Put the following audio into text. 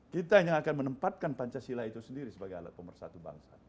kita yang akan menempatkan pancasila itu sendiri sebagai alat pemersatu bangsa